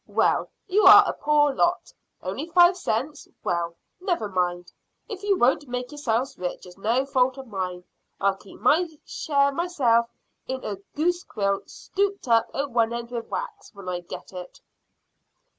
Well, you are a poor lot! Only five cents. Well, never mind; if you won't make yourselves rich it's no fault of mine. I'll keep my share myself in a goose quill stopped up at the end with wax when I get it."